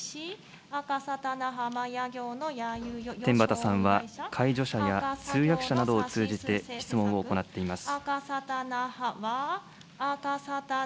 天畠さんは、介助者や通訳者などを通じて、質問を行っています。